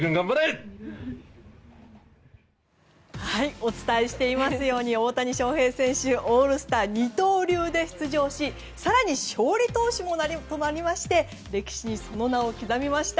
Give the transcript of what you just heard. お伝えしていますように大谷翔平選手オールスター二刀流で出場し更に勝利投手となりまして歴史にその名を刻みました。